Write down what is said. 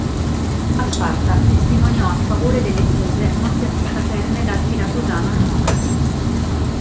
A Sparta testimoniò a favore delle accuse mosse a Tissaferne dal siracusano Ermocrate.